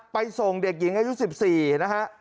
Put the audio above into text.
ไปส่งเด็กอายุ๑๔นะฮะ